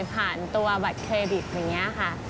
ตัวบัตรเครดิตอย่างนี้ค่ะ